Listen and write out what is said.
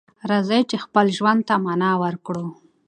راځئ چې خپل ژوند ته معنی ورکړو.